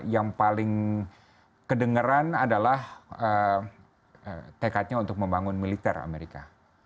yang paling kedengeran adalah tekadnya untuk membangun militer amerika